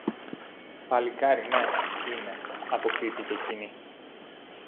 Παλικάρι ναι, είναι, αποκρίθηκε κείνη